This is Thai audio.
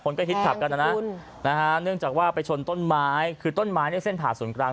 ก็ฮิตขับกันนะนะเนื่องจากว่าไปชนต้นไม้คือต้นไม้เนี่ยเส้นผ่าศูนย์กลาง